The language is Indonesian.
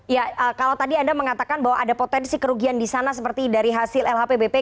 ya kalau tadi anda mengatakan bahwa ada potensi kerugian di sana seperti dari hasil lhp bpk